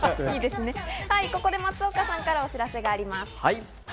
ここで松岡さんからお知らせがあります。